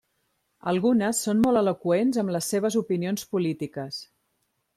Algunes són molt eloqüents amb les seves opinions polítiques.